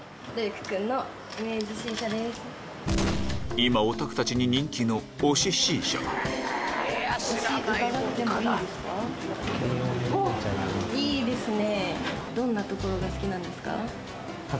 今オタクたちに人気のいいですね！